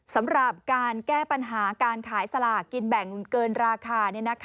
สำหรับการแก้ปัญหาการขายสลากกินแบ่งเกินราคา